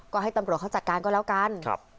ก็ให้ตำรวจเขาจัดการก็แล้วกัน